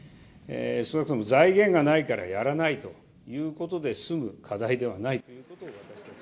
少なくとも財源がないからやらないということで済む課題ではないということを。